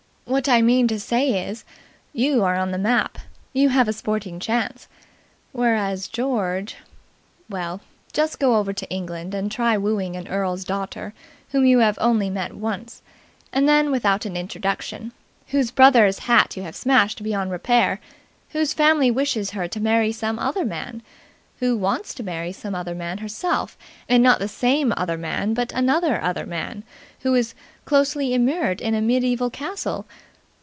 What I mean to say is, you are on the map. You have a sporting chance. Whereas George... Well, just go over to England and try wooing an earl's daughter whom you have only met once and then without an introduction; whose brother's hat you have smashed beyond repair; whose family wishes her to marry some other man: who wants to marry some other man herself and not the same other man, but another other man; who is closely immured in a mediaeval castle